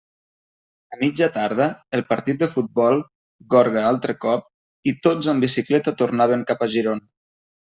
A mitja tarda, el partit de futbol, gorga altre cop, i tots amb bicicleta tornaven cap a Girona.